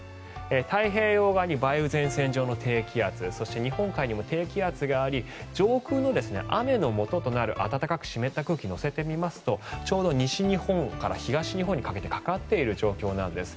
太平洋側に梅雨前線上の低気圧そして、日本海にも低気圧があり上空の雨のもととなる暖かく湿った空気を乗せてみますとちょうど西日本から東日本にかけてかかっている状況なんです。